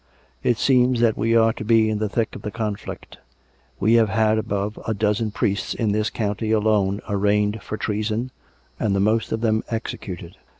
... It seems that we are to be in the thick of the conflict. We have had above a dozen priests in this county alone arraigned for treason, and the most of them executed."